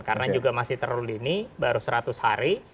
karena juga masih terlalu dini baru seratus hari